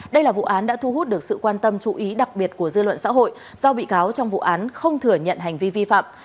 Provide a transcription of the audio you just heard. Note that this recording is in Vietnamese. đây là vụ án đã thu hút được sự quan tâm chú ý đặc biệt của dư luận xã hội do bị cáo trong vụ án không thừa nhận hành vi vi phạm